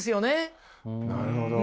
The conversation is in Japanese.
なるほど。